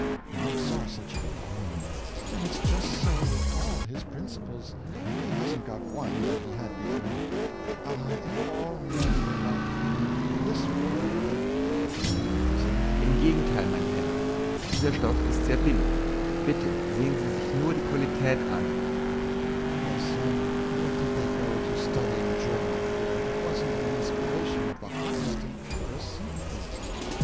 I never saw such a reform. And it's just so with all his principles: he hasn't got one that he had before. Ah, if all men were like him, this world would (Memorising: Im Gegentheil, mein Herr, dieser Stoff ist sehr billig. Bitte, sehen Sie sich nur die Qualitat an.) Yes, and what did they go to studying German for, if it wasn't an inspiration of the highest and purest sympathy?